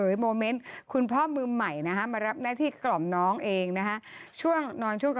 เลูกแบบนี้จส